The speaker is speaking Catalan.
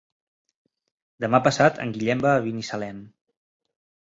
Demà passat en Guillem va a Binissalem.